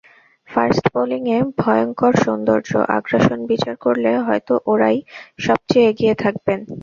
Fast বোলিংয়ের ভয়ংকর সৌন্দর্য্য, আগ্রাসন বিচার করলে হয়তো ওঁরাই সবচেয়ে এগিয়ে থাকবেন।